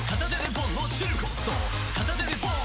片手でポン！